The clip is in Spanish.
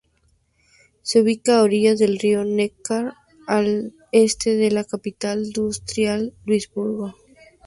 Se ubica a orillas del río Neckar, al este de la capital distrital Luisburgo.